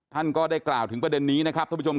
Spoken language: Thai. ท่านก็ได้กล่าวถึงประเด็นนี้นะครับท่านผู้ชม